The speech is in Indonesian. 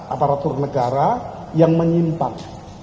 aparatur negara yang menyimpang